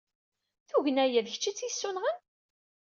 Tugna-a d kečč i tt-yessunɣen?